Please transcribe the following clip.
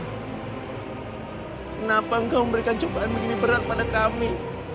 kenapa engkau memberikan cobaan begini berat pada kami